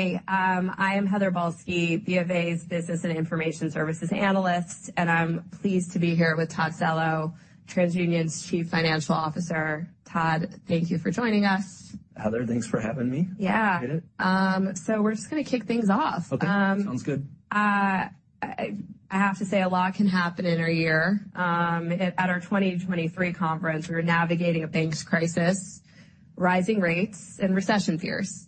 Hi, I am Heather Balsky, BofA's Business and Information Services Analyst, and I'm pleased to be here with Todd Cello, TransUnion's Chief Financial Officer. Todd, thank you for joining us. Heather, thanks for having me. Yeah. Appreciate it. We're just gonna kick things off. Okay, sounds good. I have to say a lot can happen in our year. At our 2023 conference, we were navigating a bank's crisis, rising rates, and recession fears.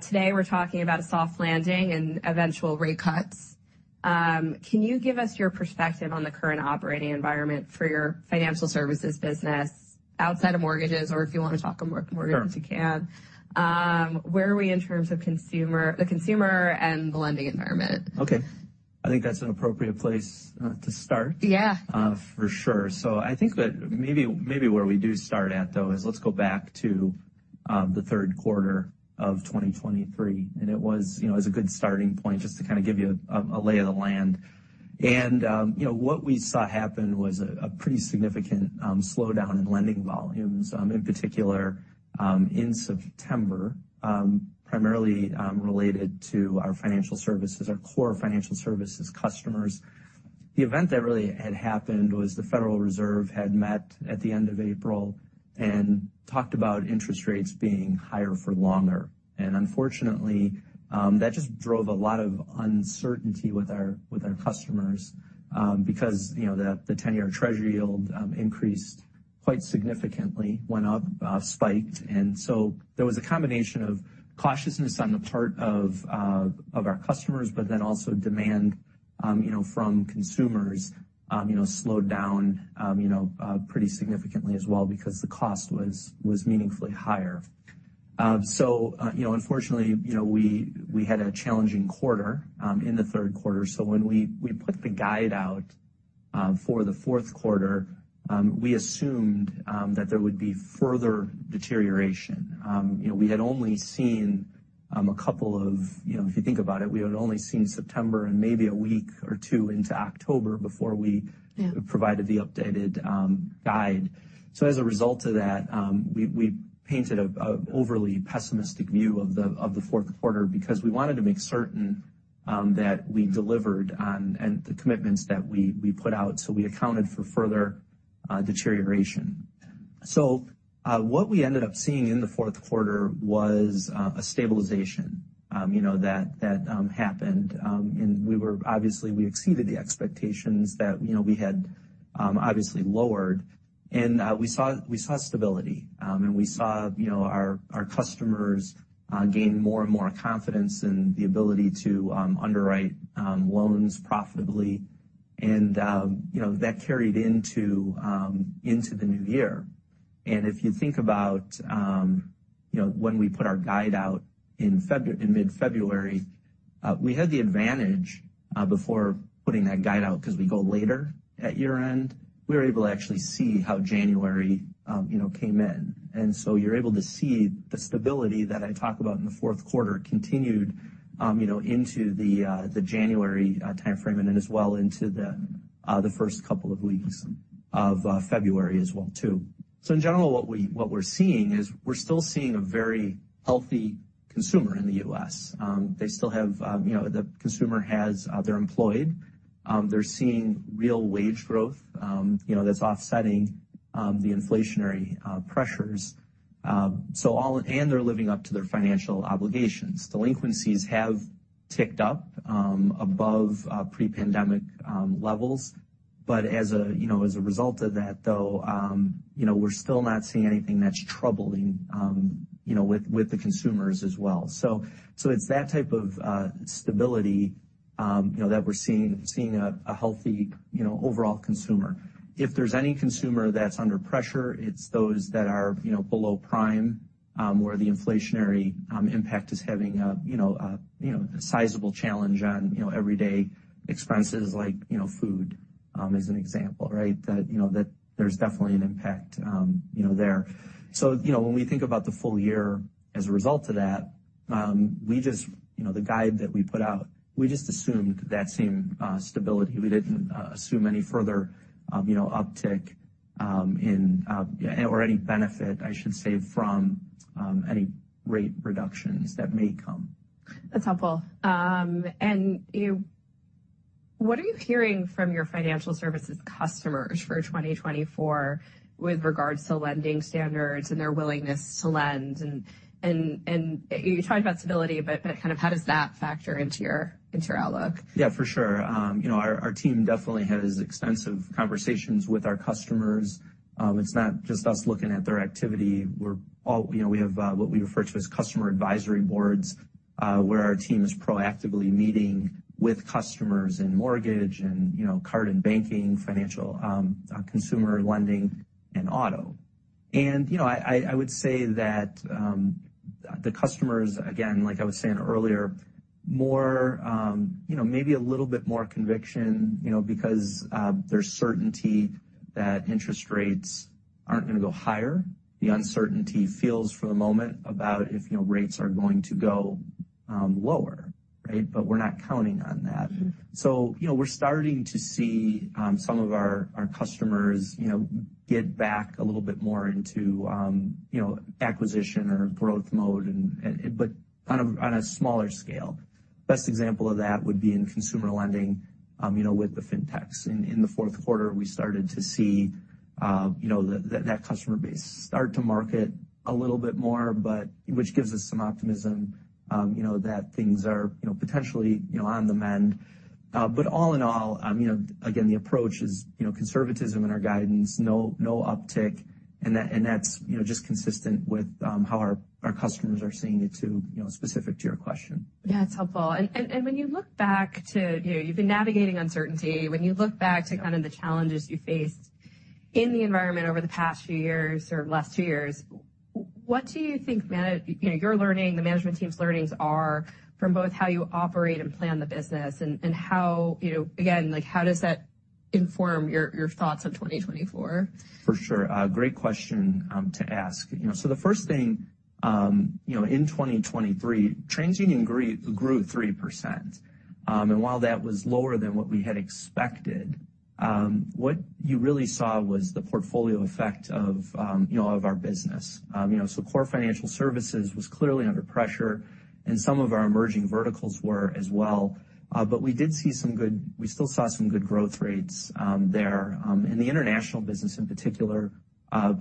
Today we're talking about a soft landing and eventual rate cuts. Can you give us your perspective on the current operating environment for your financial services business outside of mortgages, or if you wanna talk more mortgages you can? Sure. Where are we in terms of the consumer and the lending environment? Okay. I think that's an appropriate place to start. Yeah. For sure. So I think that maybe where we do start at, though, is let's go back to the third quarter of 2023. And it was, you know, it was a good starting point just to kinda give you a lay of the land. And, you know, what we saw happen was a pretty significant slowdown in lending volumes, in particular, in September, primarily, related to our financial services, our core financial services customers. The event that really had happened was the Federal Reserve had met at the end of April and talked about interest rates being higher for longer. And unfortunately, that just drove a lot of uncertainty with our customers, because, you know, the 10-year Treasury yield increased quite significantly, went up, spiked. And so there was a combination of cautiousness on the part of our customers, but then also demand, you know, from consumers, you know, slowed down, you know, pretty significantly as well because the cost was meaningfully higher. So, you know, unfortunately, you know, we had a challenging quarter in the third quarter. So when we put the guide out for the fourth quarter, we assumed that there would be further deterioration. You know, we had only seen a couple of, you know, if you think about it, we had only seen September and maybe a week or two into October before we. Yeah. Provided the updated guide. So as a result of that, we painted an overly pessimistic view of the fourth quarter because we wanted to make certain that we delivered on the commitments that we put out. So we accounted for further deterioration. So, what we ended up seeing in the fourth quarter was a stabilization, you know, that happened. And we obviously exceeded the expectations that, you know, we had obviously lowered. And, we saw stability, and we saw, you know, our customers gain more and more confidence in the ability to underwrite loans profitably. And, you know, that carried into the new year. And if you think about, you know, when we put our guide out in February in mid-February, we had the advantage, before putting that guide out 'cause we go later at year-end, we were able to actually see how January, you know, came in. And so you're able to see the stability that I talk about in the fourth quarter continued, you know, into the January timeframe and then as well into the first couple of weeks of February as well too. So in general, what we're seeing is we're still seeing a very healthy consumer in the U.S. They still have, you know, the consumer has, they're employed. They're seeing real wage growth, you know, that's offsetting the inflationary pressures. So all and they're living up to their financial obligations. Delinquencies have ticked up above pre-pandemic levels. But as you know, as a result of that, though, you know, we're still not seeing anything that's troubling, you know, with the consumers as well. So it's that type of stability, you know, that we're seeing a healthy, you know, overall consumer. If there's any consumer that's under pressure, it's those that are, you know, below prime, where the inflationary impact is having a sizable challenge on, you know, everyday expenses like, you know, food, as an example, right, that there's definitely an impact, you know, there. So, you know, when we think about the full year as a result of that, we just, you know, the guide that we put out, we just assumed that same stability. We didn't assume any further, you know, uptick in or any benefit, I should say, from any rate reductions that may come. That's helpful. And, you know, what are you hearing from your financial services customers for 2024 with regards to lending standards and their willingness to lend? And you talked about stability, but kind of how does that factor into your outlook? Yeah, for sure. You know, our team definitely has extensive conversations with our customers. It's not just us looking at their activity. We're all, you know, we have what we refer to as customer advisory boards, where our team is proactively meeting with customers in mortgage and, you know, card and banking, financial, consumer lending, and auto. And, you know, I would say that the customers, again, like I was saying earlier, more, you know, maybe a little bit more conviction, you know, because there's certainty that interest rates aren't gonna go higher. The uncertainty feels for the moment about if, you know, rates are going to go lower, right? But we're not counting on that. Mm-hmm. So, you know, we're starting to see some of our customers, you know, get back a little bit more into, you know, acquisition or growth mode, and but on a smaller scale. Best example of that would be in consumer lending, you know, with the fintechs. In the fourth quarter, we started to see, you know, that customer base start to market a little bit more, but which gives us some optimism, you know, that things are, you know, potentially, you know, on demand. But all in all, you know, again, the approach is, you know, conservatism in our guidance, no, no uptick. And that's, you know, just consistent with how our customers are seeing it too, you know, specific to your question. Yeah, that's helpful. And when you look back, you know, you've been navigating uncertainty. When you look back to kind of the challenges you faced in the environment over the past few years or last two years, what do you think, man, you know, your learning, the management team's learnings are from both how you operate and plan the business and how you know, again, like, how does that inform your thoughts on 2024? For sure. Great question to ask. You know, so the first thing, you know, in 2023, TransUnion grew 3%. While that was lower than what we had expected, what you really saw was the portfolio effect of, you know, of our business. You know, so core financial services was clearly under pressure, and some of our emerging verticals were as well. But we still saw some good growth rates there. The international business in particular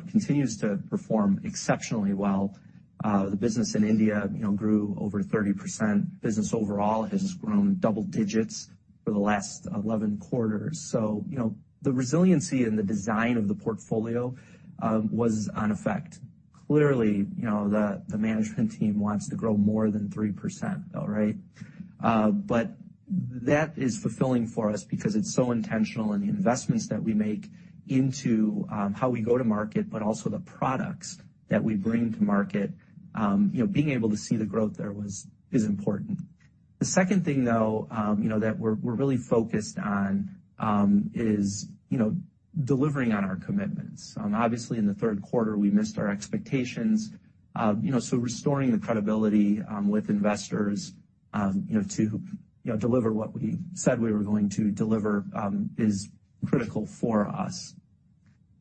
continues to perform exceptionally well. The business in India, you know, grew over 30%. Business overall has grown double digits for the last 11 quarters. So, you know, the resiliency and the design of the portfolio was in effect. Clearly, you know, the management team wants to grow more than 3%, though, right? But that is fulfilling for us because it's so intentional in the investments that we make into how we go to market, but also the products that we bring to market. You know, being able to see the growth there is important. The second thing, though, you know, that we're really focused on is, you know, delivering on our commitments. Obviously, in the third quarter, we missed our expectations. You know, so restoring the credibility with investors, you know, to, you know, deliver what we said we were going to deliver is critical for us.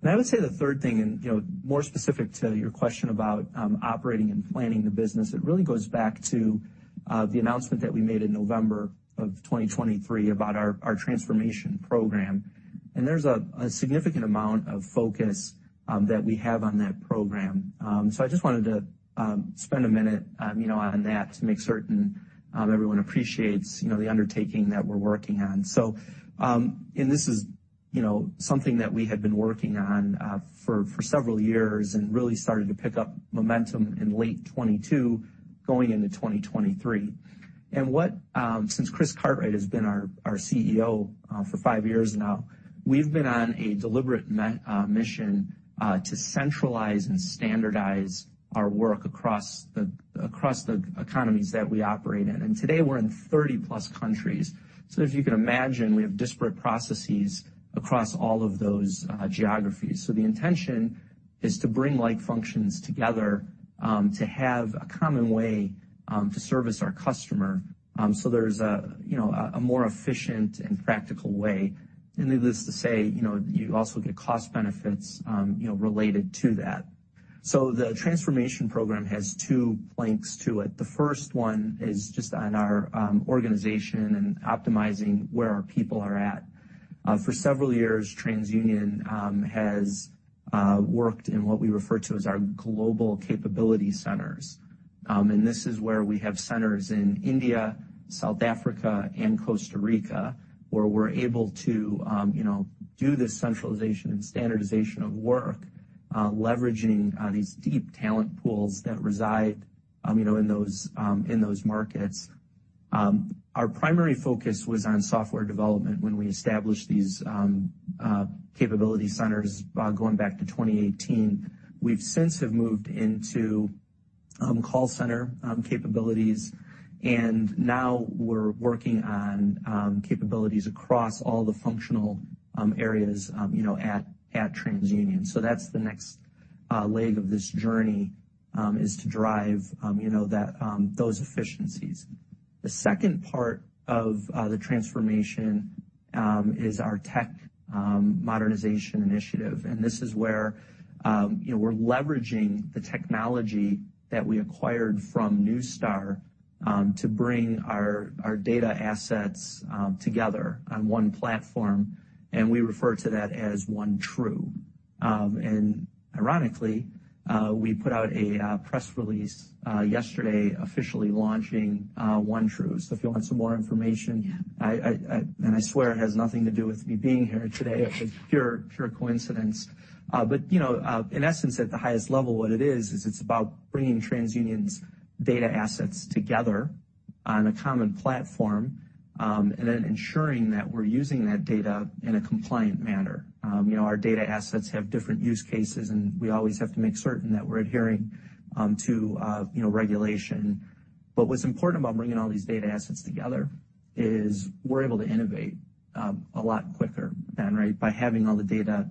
And I would say the third thing, you know, more specific to your question about operating and planning the business, it really goes back to the announcement that we made in November of 2023 about our transformation program. There's a significant amount of focus that we have on that program. So I just wanted to spend a minute, you know, on that to make certain everyone appreciates, you know, the undertaking that we're working on. So this is, you know, something that we had been working on for several years and really started to pick up momentum in late 2022 going into 2023. And since Chris Cartwright has been our CEO for five years now, we've been on a deliberate mission to centralize and standardize our work across the economies that we operate in. And today, we're in 30+ countries. So as you can imagine, we have disparate processes across all of those geographies. So the intention is to bring like functions together, to have a common way to service our customer, so there's a, you know, a more efficient and practical way. And needless to say, you know, you also get cost benefits, you know, related to that. So the transformation program has two planks to it. The first one is just on our organization and optimizing where our people are at. For several years, TransUnion has worked in what we refer to as our Global Capability Centers. And this is where we have centers in India, South Africa, and Costa Rica where we're able to, you know, do this centralization and standardization of work, leveraging these deep talent pools that reside, you know, in those markets. Our primary focus was on software development when we established these Global Capability Centers, going back to 2018. We've since moved into call center capabilities. And now we're working on capabilities across all the functional areas, you know, at TransUnion. So that's the next leg of this journey, is to drive, you know, those efficiencies. The second part of the transformation is our tech modernization initiative. And this is where, you know, we're leveraging the technology that we acquired from Neustar to bring our data assets together on one platform. And we refer to that as OneTru. And ironically, we put out a press release yesterday officially launching OneTru. So if you want some more information. Yeah. I swear it has nothing to do with me being here today. It's a pure, pure coincidence. But, you know, in essence, at the highest level, what it is is it's about bringing TransUnion's data assets together on a common platform, and then ensuring that we're using that data in a compliant manner. You know, our data assets have different use cases, and we always have to make certain that we're adhering to, you know, regulation. But what's important about bringing all these data assets together is we're able to innovate a lot quicker than, right, by having all the data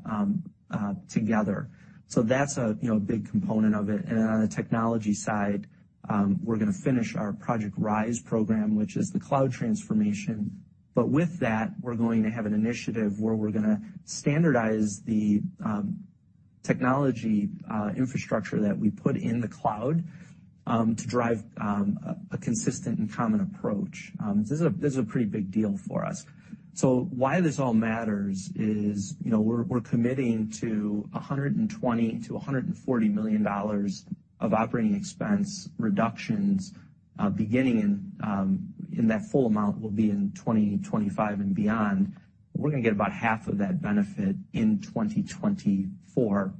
together. So that's a, you know, a big component of it. And then on the technology side, we're gonna finish our Project Rise program, which is the cloud transformation. But with that, we're going to have an initiative where we're gonna standardize the technology infrastructure that we put in the cloud, to drive a consistent and common approach. This is a pretty big deal for us. So why this all matters is, you know, we're committing to $120 million-$140 million of operating expense reductions, beginning in that full amount will be in 2025 and beyond. We're gonna get about half of that benefit in 2024.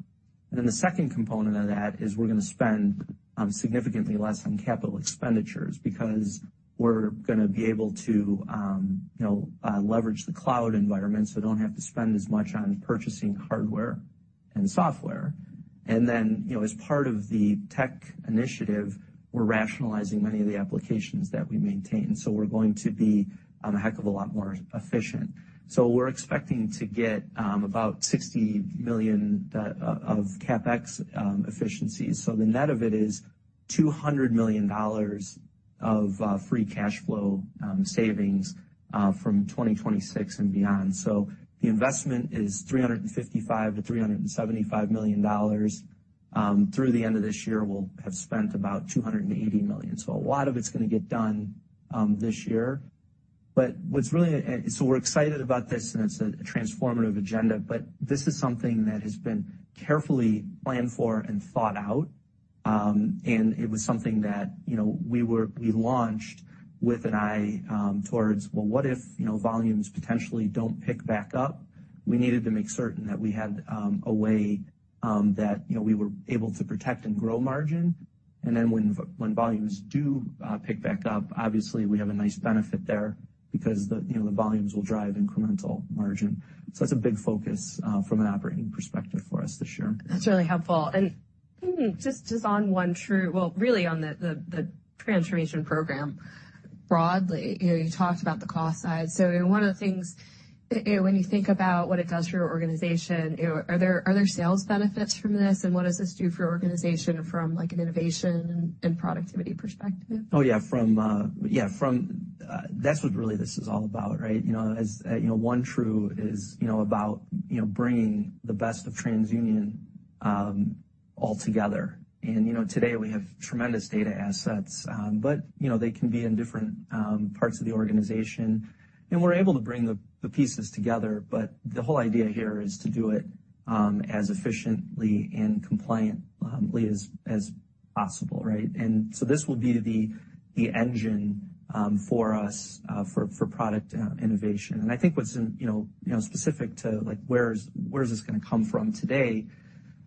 And then the second component of that is we're gonna spend significantly less on capital expenditures because we're gonna be able to, you know, leverage the cloud environment so we don't have to spend as much on purchasing hardware and software. And then, you know, as part of the tech initiative, we're rationalizing many of the applications that we maintain. So we're going to be a heck of a lot more efficient. So we're expecting to get about $60 million of CapEx efficiencies. So the net of it is $200 million of free cash flow savings from 2026 and beyond. So the investment is $355 million-$375 million through the end of this year. We'll have spent about $280 million. So a lot of it's gonna get done this year. But what's really and so we're excited about this, and it's a transformative agenda. But this is something that has been carefully planned for and thought out. And it was something that you know we launched with an eye towards well what if you know volumes potentially don't pick back up? We needed to make certain that we had a way that you know we were able to protect and grow margin. Then when volumes do pick back up, obviously, we have a nice benefit there because the, you know, the volumes will drive incremental margin. So that's a big focus, from an operating perspective for us this year. That's really helpful. And just on OneTru, well, really on the transformation program broadly, you know, you talked about the cost side. So, you know, one of the things you know, when you think about what it does for your organization, you know, are there sales benefits from this? And what does this do for your organization from, like, an innovation and productivity perspective? Oh, yeah. Yeah, that's what really this is all about, right? You know, as, you know, OneTru is, you know, about, you know, bringing the best of TransUnion all together. And, you know, today, we have tremendous data assets, but, you know, they can be in different parts of the organization. And we're able to bring the pieces together. But the whole idea here is to do it as efficiently and compliantly as possible, right? And so this will be the engine for us for product innovation. And I think what's, you know, you know, specific to, like, where this is gonna come from today,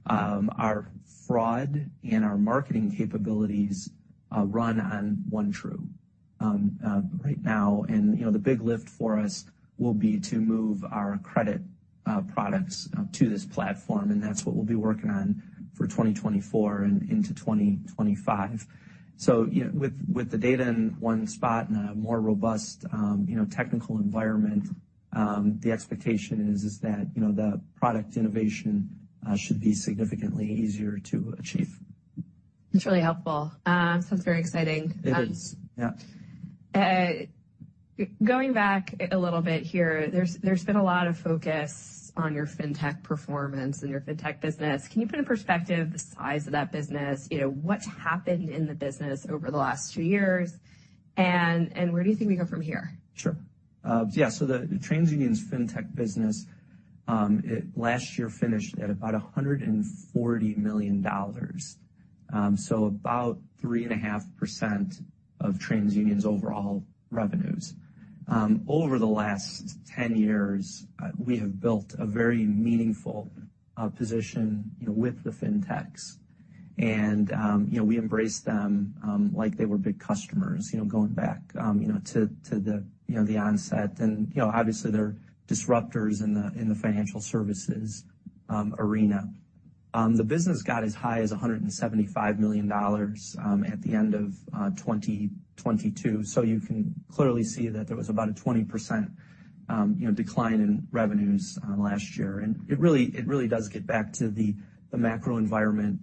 our fraud and our marketing capabilities run on OneTru right now. And, you know, the big lift for us will be to move our credit products to this platform. That's what we'll be working on for 2024 and into 2025. So, you know, with the data in one spot and a more robust, you know, technical environment, the expectation is that, you know, the product innovation should be significantly easier to achieve. That's really helpful. Sounds very exciting. It is. Yeah. Going back a little bit here, there's, there's been a lot of focus on your fintech performance and your fintech business. Can you put in perspective the size of that business? You know, what's happened in the business over the last two years? And, and where do you think we go from here? Sure. Yeah. So the TransUnion's fintech business, it last year finished at about $140 million. So about 3.5% of TransUnion's overall revenues. Over the last 10 years, we have built a very meaningful position, you know, with the fintechs. And, you know, we embrace them, like they were big customers, you know, going back, you know, to the onset. And, you know, obviously, they're disruptors in the financial services arena. The business got as high as $175 million, at the end of 2022. So you can clearly see that there was about a 20%, you know, decline in revenues, last year. And it really does get back to the macro environment,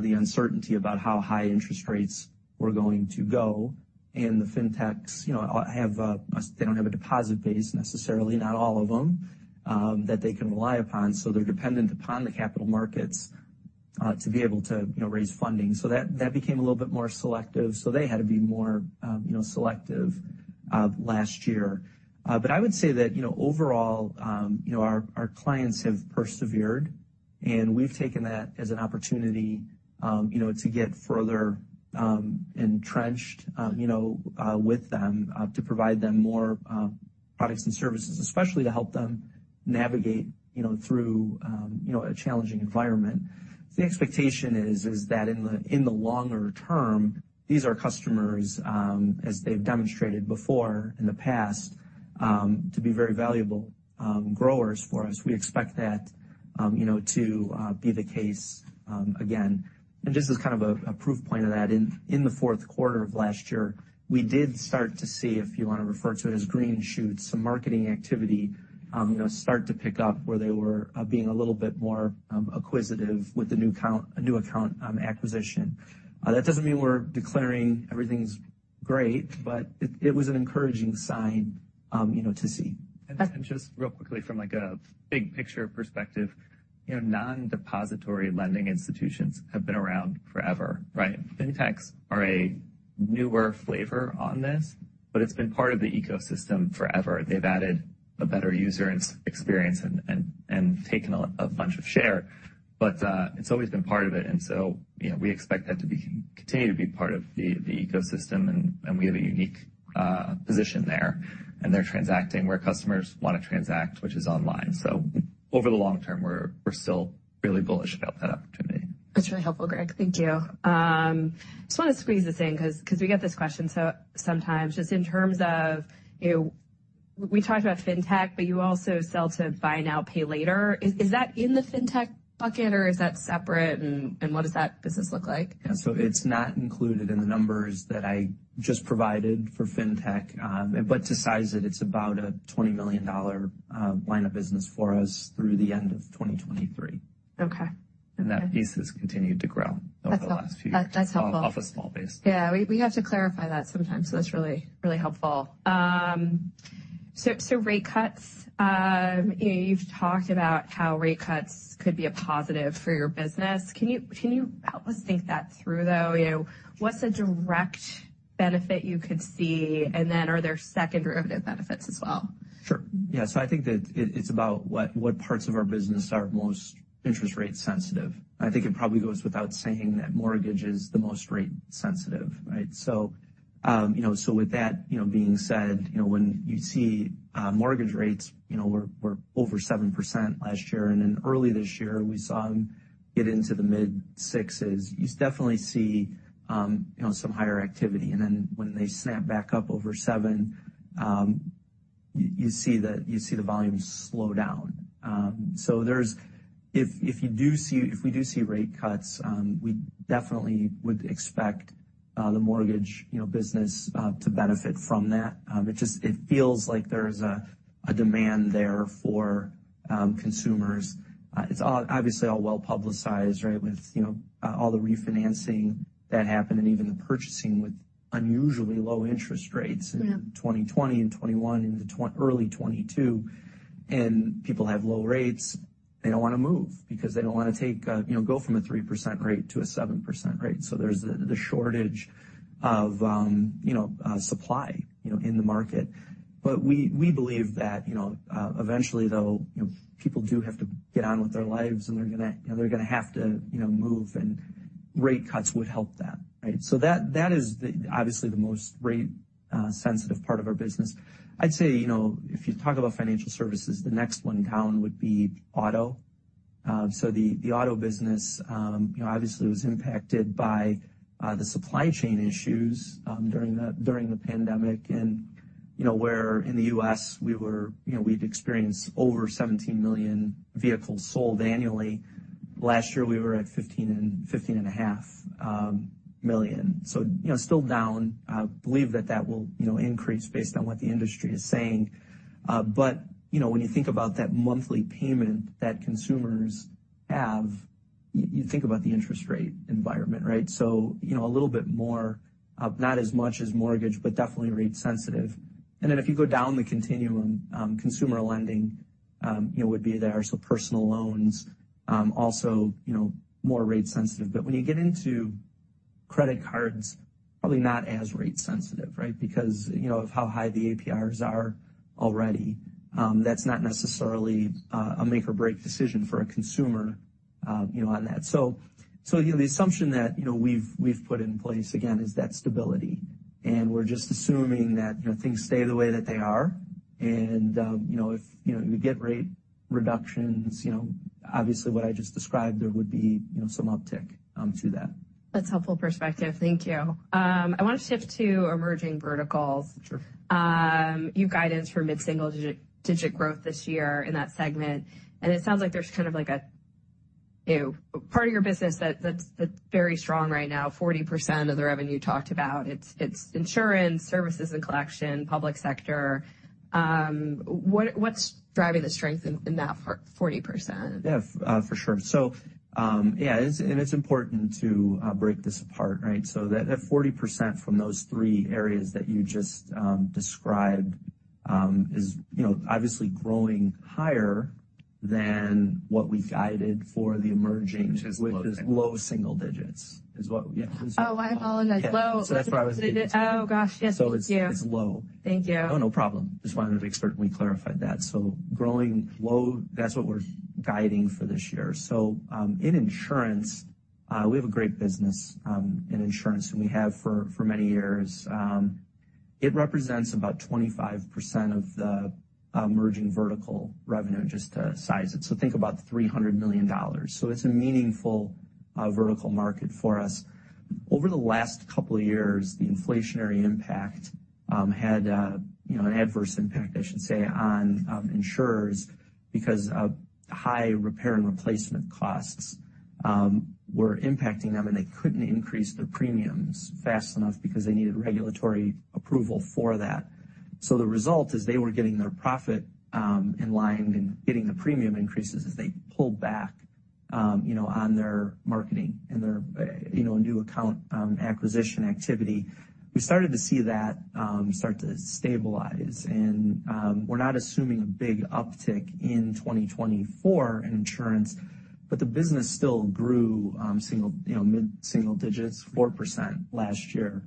the uncertainty about how high interest rates were going to go. The fintechs, you know, have a they don't have a deposit base necessarily, not all of them, that they can rely upon. So they're dependent upon the capital markets, to be able to, you know, raise funding. So that became a little bit more selective. So they had to be more, you know, selective, last year. But I would say that, you know, overall, you know, our clients have persevered. And we've taken that as an opportunity, you know, to get further, entrenched, you know, with them, to provide them more products and services, especially to help them navigate, you know, through, you know, a challenging environment. So the expectation is that in the longer term, these are customers, as they've demonstrated before in the past, to be very valuable growers for us. We expect that, you know, to be the case, again. Just as kind of a proof point of that, in the fourth quarter of last year, we did start to see if you wanna refer to it as green shoots, some marketing activity, you know, start to pick up where they were being a little bit more acquisitive with the new customer acquisition. That doesn't mean we're declaring everything's great, but it was an encouraging sign, you know, to see. And just real quickly from, like, a big picture perspective, you know, non-depository lending institutions have been around forever, right? Fintechs are a newer flavor on this, but it's been part of the ecosystem forever. They've added a better user experience and taken a bunch of share. But it's always been part of it. And so, you know, we expect that to be continue to be part of the ecosystem. And we have a unique position there. And they're transacting where customers wanna transact, which is online. So over the long term, we're still really bullish about that opportunity. That's really helpful, Greg. Thank you. Just wanna squeeze this in 'cause we get this question so sometimes just in terms of, you know, we talked about fintech, but you also sell to buy now, pay later. Is that in the fintech bucket, or is that separate? And what does that business look like? Yeah. So it's not included in the numbers that I just provided for fintech, but to size it, it's about a $20 million line of business for us through the end of 2023. Okay. Okay. That piece has continued to grow over the last few years. That's helpful. Off a small base. Yeah. We have to clarify that sometimes. So that's really, really helpful. So rate cuts, you know, you've talked about how rate cuts could be a positive for your business. Can you help us think that through, though? You know, what's a direct benefit you could see? And then are there secondary benefits as well? Sure. Yeah. So I think that it's about what parts of our business are most interest rate sensitive. I think it probably goes without saying that mortgage is the most rate sensitive, right? So, you know, so with that, you know, being said, you know, when you see mortgage rates, you know, we're over 7% last year. And then early this year, we saw them get into the mid-sixes. You definitely see, you know, some higher activity. And then when they snap back up over 7%, you see the volume slow down. So if we do see rate cuts, we definitely would expect the mortgage, you know, business, to benefit from that. It just feels like there's a demand there for consumers. It's all obviously all well-publicized, right, with, you know, all the refinancing that happened and even the purchasing with unusually low interest rates in 2020 and 2021 into early 2022. People have low rates. They don't wanna move because they don't wanna take, you know, go from a 3% rate to a 7% rate. So there's the, the shortage of, you know, supply, you know, in the market. But we, we believe that, you know, eventually, though, you know, people do have to get on with their lives, and they're gonna you know, they're gonna have to, you know, move. And rate cuts would help that, right? So that, that is the obviously the most rate, sensitive part of our business. I'd say, you know, if you talk about financial services, the next one down would be auto. So the auto business, you know, obviously, was impacted by the supply chain issues during the pandemic. And, you know, in the U.S., we were, you know, we'd experienced over 17 million vehicles sold annually. Last year, we were at 15 and 15.5 million. So, you know, still down. I believe that will, you know, increase based on what the industry is saying. But, you know, when you think about that monthly payment that consumers have, you think about the interest rate environment, right? So, you know, a little bit more, not as much as mortgage, but definitely rate sensitive. And then if you go down the continuum, consumer lending, you know, would be there. So personal loans, also, you know, more rate sensitive. But when you get into credit cards, probably not as rate sensitive, right, because, you know, of how high the APRs are already. That's not necessarily a make-or-break decision for a consumer, you know, on that. So, you know, the assumption that, you know, we've put in place, again, is that stability. And we're just assuming that, you know, things stay the way that they are. And, you know, if, you know, you get rate reductions, you know, obviously, what I just described, there would be, you know, some uptick to that. That's helpful perspective. Thank you. I wanna shift to emerging verticals. Sure. You've guidance for mid-single-digit growth this year in that segment. And it sounds like there's kind of like a, you know, part of your business that's very strong right now, 40% of the revenue you talked about. It's insurance, services and collection, public sector. What's driving the strength in that 40%? Yeah. For sure. So, yeah. It's important to break this apart, right? So that that 40% from those three areas that you just described is, you know, obviously growing higher than what we guided for the emerging. Which is low. Which is low single digits, is what? Yeah. Oh, I apologize. Low. That's why I was. Oh, gosh. Yes, thank you. So it's, it's low. Thank you. Oh, no problem. Just wanted to expertly clarify that. So growing low, that's what we're guiding for this year. So, in insurance, we have a great business in insurance, and we have for many years. It represents about 25% of the emerging vertical revenue, just to size it. So think about $300 million. So it's a meaningful vertical market for us. Over the last couple of years, the inflationary impact had, you know, an adverse impact, I should say, on insurers because high repair and replacement costs were impacting them, and they couldn't increase their premiums fast enough because they needed regulatory approval for that. So the result is they were getting their profits in line and getting the premium increases as they pulled back, you know, on their marketing and their, you know, new account acquisition activity. We started to see that start to stabilize. We're not assuming a big uptick in 2024 in insurance, but the business still grew single, you know, mid-single digits, 4% last year.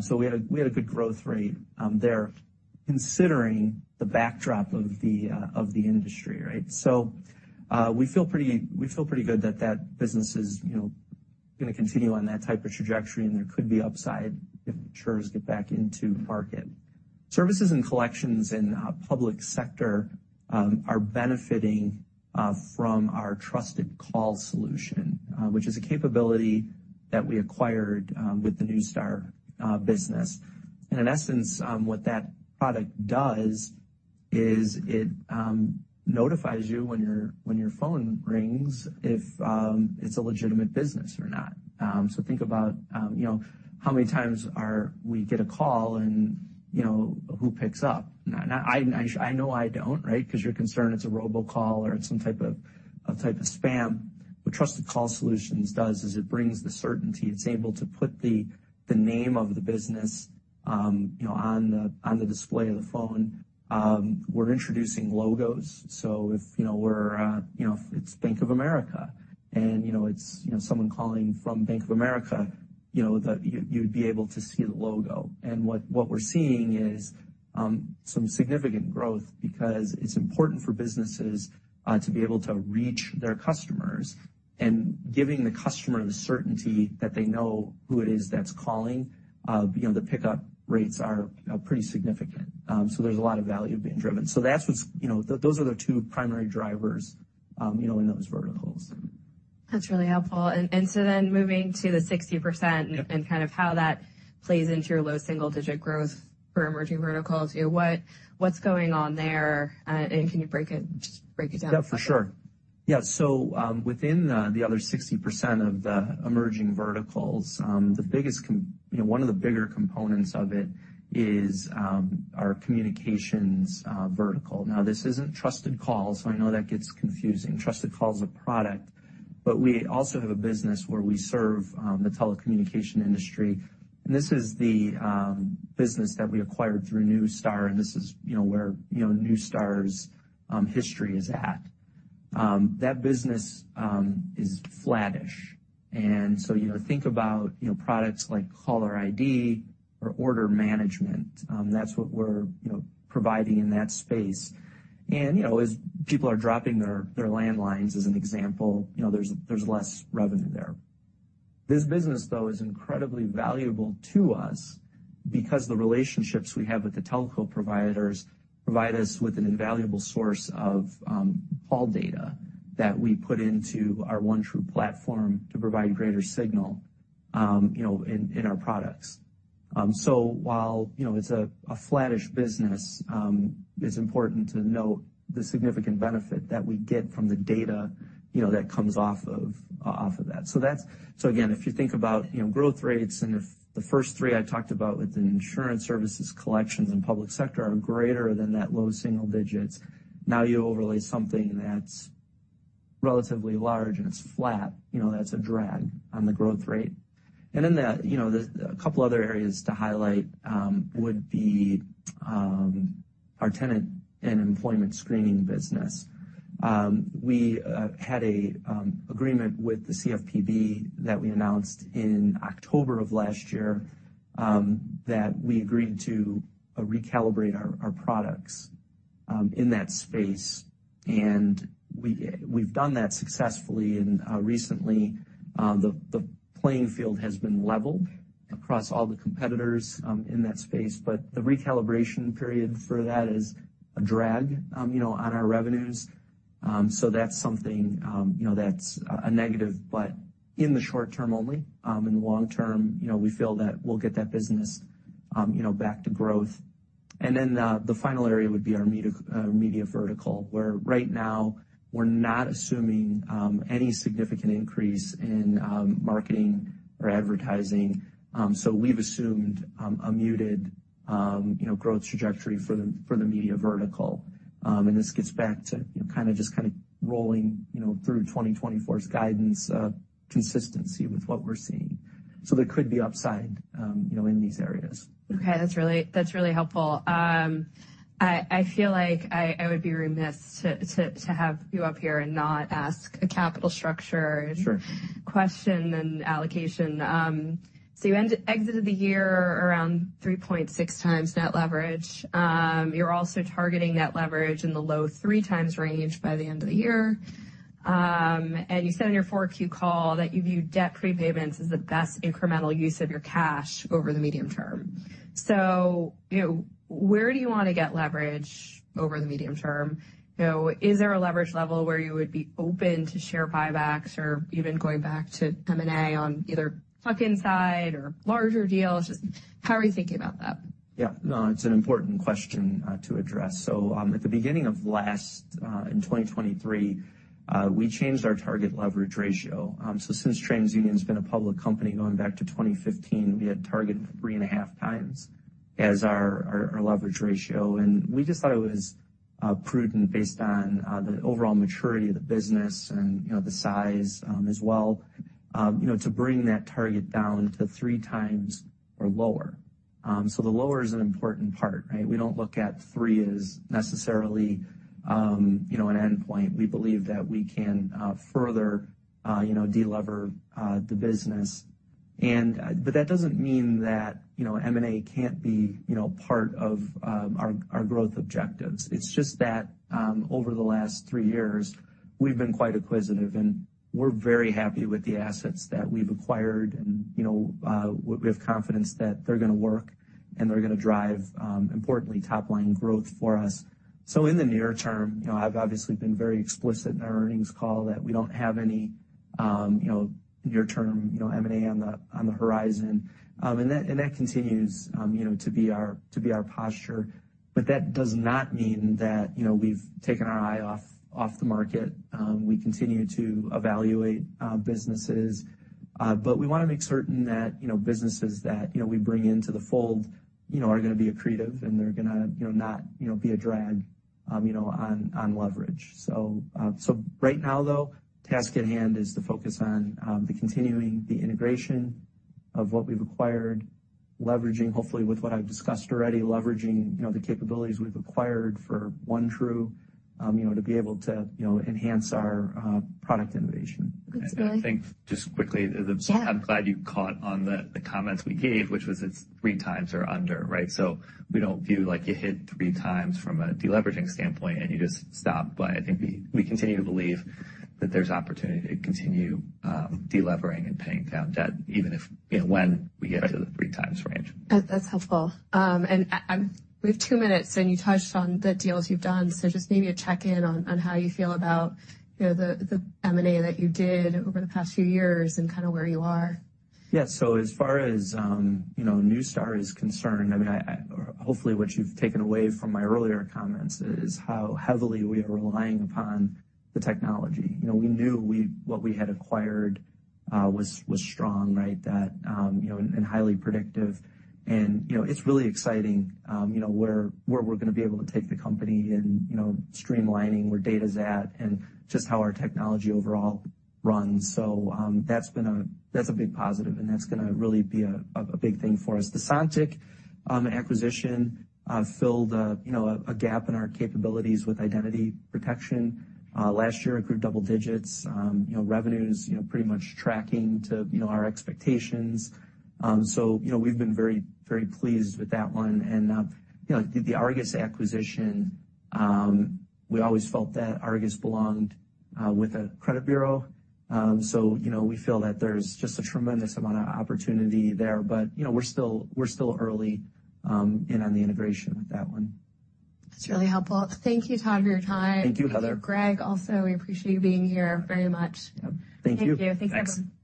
So we had a good growth rate there considering the backdrop of the industry, right? So we feel pretty good that that business is, you know, gonna continue on that type of trajectory. And there could be upside if insurers get back into market. Services and collections in public sector are benefiting from our Trusted Call Solution, which is a capability that we acquired with the Neustar business. And in essence, what that product does is it notifies you when your phone rings if it's a legitimate business or not. So think about, you know, how many times are we get a call, and, you know, who picks up? No, I know I don't, right, 'cause you're concerned it's a robo call or it's some type of spam. What Trusted Call Solutions does is it brings the certainty. It's able to put the name of the business, you know, on the display of the phone. We're introducing logos. So if, you know, if it's Bank of America, and, you know, it's someone calling from Bank of America, you know, you'd be able to see the logo. And what we're seeing is some significant growth because it's important for businesses to be able to reach their customers. And giving the customer the certainty that they know who it is that's calling, you know, the pickup rates are pretty significant. So there's a lot of value being driven. So that's what, you know, those are the two primary drivers, you know, in those verticals. That's really helpful. And so then moving to the 60%. Yep. Kind of how that plays into your low single digit growth for emerging verticals here. What's going on there? And can you break it down for us? Yeah, for sure. Yeah. So, within the other 60% of the emerging verticals, the biggest, you know, one of the bigger components of it is our communications vertical. Now, this isn't Trusted Call, so I know that gets confusing. Trusted Call's a product. But we also have a business where we serve the telecommunication industry. And this is the business that we acquired through Neustar. And this is, you know, where, you know, Neustar's history is at. That business is flat-ish. And so, you know, think about, you know, products like caller ID or order management. That's what we're, you know, providing in that space. And, you know, as people are dropping their landlines, as an example, you know, there's less revenue there. This business, though, is incredibly valuable to us because the relationships we have with the telco providers provide us with an invaluable source of call data that we put into our OneTru platform to provide greater signal, you know, in our products. So while, you know, it's a flat-ish business, it's important to note the significant benefit that we get from the data, you know, that comes off of that. So that's so again, if you think about, you know, growth rates and if the first three I talked about with the insurance services, collections, and public sector are greater than that low single digits, now you overlay something that's relatively large, and it's flat, you know, that's a drag on the growth rate. And then, you know, the a couple other areas to highlight would be our tenant and employment screening business. We had an agreement with the CFPB that we announced in October of last year, that we agreed to recalibrate our products in that space. And we've done that successfully. And recently, the playing field has been leveled across all the competitors in that space. But the recalibration period for that is a drag, you know, on our revenues. So that's something, you know, that's a negative, but in the short term only. In the long term, you know, we feel that we'll get that business, you know, back to growth. And then, the final area would be our media vertical, where right now, we're not assuming any significant increase in marketing or advertising. So we've assumed a muted, you know, growth trajectory for the media vertical. This gets back to, you know, kinda just kinda rolling, you know, through 2024's guidance, consistency with what we're seeing. So there could be upside, you know, in these areas. Okay. That's really helpful. I feel like I would be remiss to have you up here and not ask a capital structure. Sure. Question and allocation. So you ended the year around 3.6 times net leverage. You're also targeting net leverage in the low 3 times range by the end of the year. And you said in your 4Q call that you view debt prepayments as the best incremental use of your cash over the medium term. So, you know, where do you wanna get leverage over the medium term? You know, is there a leverage level where you would be open to share buybacks or even going back to M&A on either tuck-in or larger deals? Just how are you thinking about that? Yeah. No, it's an important question to address. So, at the beginning of last year in 2023, we changed our target leverage ratio. So since TransUnion's been a public company going back to 2015, we had targeted 3.5x as our leverage ratio. And we just thought it was prudent based on the overall maturity of the business and, you know, the size, as well, you know, to bring that target down to 3x or lower. So the lower is an important part, right? We don't look at 3x as necessarily, you know, an endpoint. We believe that we can further, you know, delever the business. And but that doesn't mean that, you know, M&A can't be, you know, part of our growth objectives. It's just that over the last 3 years, we've been quite acquisitive. And we're very happy with the assets that we've acquired. And, you know, we have confidence that they're gonna work, and they're gonna drive, importantly, top-line growth for us. So in the near term, you know, I've obviously been very explicit in our earnings call that we don't have any, you know, near-term, you know, M&A on the horizon. And that continues, you know, to be our posture. But that does not mean that, you know, we've taken our eye off the market. We continue to evaluate businesses. But we wanna make certain that, you know, businesses that, you know, we bring into the fold, you know, are gonna be accretive. And they're gonna, you know, not, you know, be a drag, you know, on leverage. So, right now, though, the task at hand is to focus on continuing the integration of what we've acquired, leveraging hopefully with what I've discussed already, leveraging, you know, the capabilities we've acquired for OneTru, you know, to be able to, you know, enhance our product innovation. Good to know. I think just quickly. Yeah. I'm glad you caught on the, the comments we gave, which was it's 3x or under, right? So we don't view like you hit 3x from a deleveraging standpoint, and you just stopped. But I think we, we continue to believe that there's opportunity to continue delevering and paying down debt even if you know, when we get to the 3x range. That's helpful. And we have two minutes. You touched on the deals you've done. So just maybe a check-in on how you feel about, you know, the M&A that you did over the past few years and kinda where you are. Yeah. So as far as, you know, Neustar is concerned, I mean, hopefully, what you've taken away from my earlier comments is how heavily we are relying upon the technology. You know, we knew what we had acquired was strong, right, that, you know, and highly predictive. And, you know, it's really exciting, you know, where we're gonna be able to take the company and, you know, streamlining where data's at and just how our technology overall runs. So, that's been a big positive. And that's gonna really be a big thing for us. The Sontiq acquisition filled a, you know, a gap in our capabilities with identity protection. Last year, it grew double digits. You know, revenue's, you know, pretty much tracking to, you know, our expectations. So, you know, we've been very, very pleased with that one. And, you know, the Argus acquisition, we always felt that Argus belonged with a credit bureau. So, you know, we feel that there's just a tremendous amount of opportunity there. But, you know, we're still early in on the integration with that one. That's really helpful. Thank you, Todd, for your time. Thank you, Heather. Thank you, Greg. Also, we appreciate you being here very much. Yep. Thank you. Thank you. Thanks, everyone.